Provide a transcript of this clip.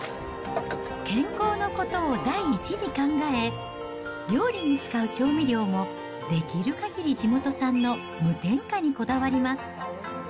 健康のことを第一に考え、料理に使う調味料も、できるかぎり地元産の無添加にこだわります。